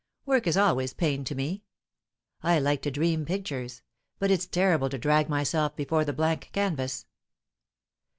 Work is always pain to me. I like to dream pictures; but it's terrible to drag myself before the blank canvas."